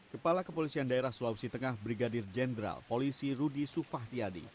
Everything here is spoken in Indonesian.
kepala kepolisian daerah sulawesi tengah brigadir jenderal polisi rudy sufahtiadi